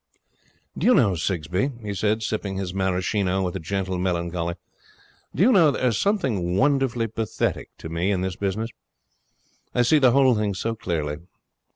'Do you know, Sigsbee,' he said, sipping his Maraschino with a gentle melancholy 'do you know, there is something wonderfully pathetic to me in this business. I see the whole thing so clearly.